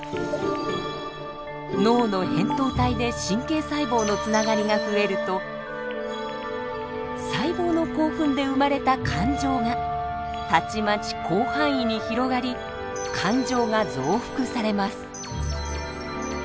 脳のへんとう体で神経細胞のつながりが増えると細胞の興奮で生まれた感情がたちまち広範囲に広がり感情が増幅されます。